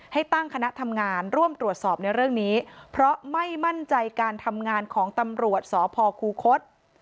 ให้ตั้งคณะทำงานร่วมตรวจสอบในเรื่องนี้เพราะไม่มั่นใจการทำงานของตำรวจสพคูคศ